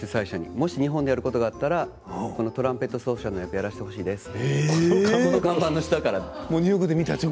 もし日本でやることがあったらこのトランペット奏者の役やらせてほしいですと。